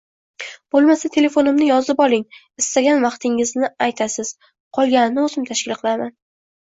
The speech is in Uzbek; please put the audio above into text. -Bo‘lmasa telefonimni yozib oling. Istagan vaqtingizni aytasiz. Qolganini o‘zim tashkil kilaman.